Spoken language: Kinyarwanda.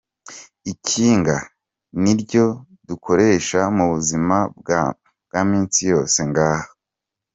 "Ikinga ni ryo dukoresha mu buzima bwa misi yose ngaha.